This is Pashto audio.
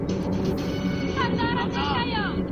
سياسي قدرت ته د سياستپوهني د هستې په سترګه وګورئ.